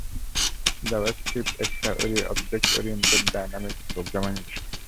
JavaScript একটি object oriented, dynamic programming ভাষা।